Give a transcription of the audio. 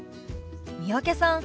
三宅さん